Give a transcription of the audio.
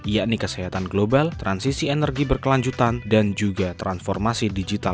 yakni kesehatan global transisi energi berkelanjutan dan juga transformasi digital